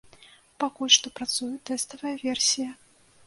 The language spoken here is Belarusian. Пакуль што працуе тэставая версія.